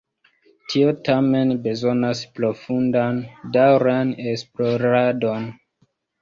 Tio tamen bezonas profundan, daŭran esploradon.